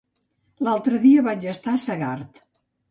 L'altre dia vaig estar a Segart.